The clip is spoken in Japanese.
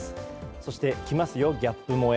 そしてきますよ、ギャップ萌え。